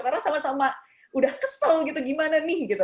karena sama sama udah kesel gitu gimana nih gitu